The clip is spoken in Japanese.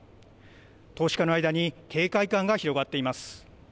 投資家の間に警戒感が広がっています。